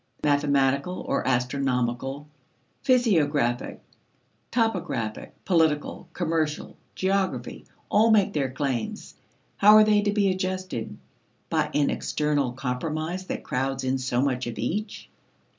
Mathematical or astronomical, physiographic, topographic, political, commercial, geography, all make their claims. How are they to be adjusted? By an external compromise that crowds in so much of each?